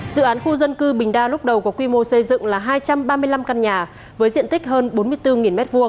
dự án khu dân cư bình đa lúc đầu có quy mô xây dựng là hai trăm ba mươi năm căn nhà với diện tích hơn bốn mươi bốn m hai